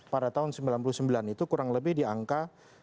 pada tahun sembilan puluh sembilan itu kurang lebih di angka